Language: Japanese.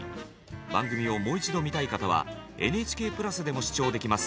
番組をもう一度見たい方はＮＨＫプラスでも視聴できます。